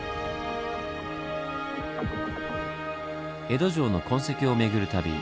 江戸城の痕跡を巡る旅。